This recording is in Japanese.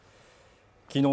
きのう